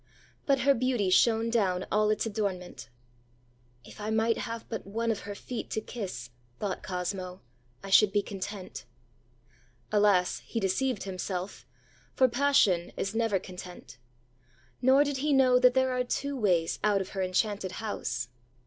But her beauty shone down all its adornment. ãIf I might have but one of her feet to kiss,ã thought Cosmo, ãI should be content.ã Alas! he deceived himself, for passion is never content. Nor did he know that there are two ways out of her enchanted house.